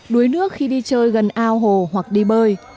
đuối nước khi đi chơi gần ao hồ hoặc đi bơi